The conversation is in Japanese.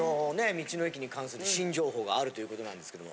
道の駅に関する新情報があるということなんですけども。